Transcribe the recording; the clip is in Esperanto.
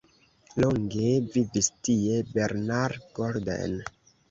Longe vivis tie Bernard Golden.